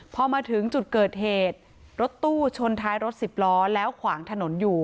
พอมาถึงจุดเกิดเหตุรถตู้ชนท้ายรถสิบล้อแล้วขวางถนนอยู่